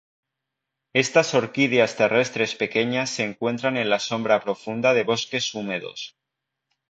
Estas orquídeas terrestres pequeñas se encuentran en la sombra profunda de bosques húmedos.